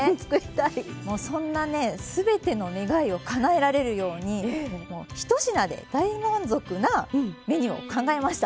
もうそんなね全ての願いをかなえられるように１品で大満足なメニューを考えました。